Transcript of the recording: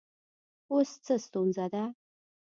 اوس څه ستونزه ده